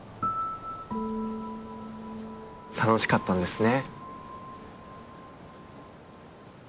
楽しかったんですね。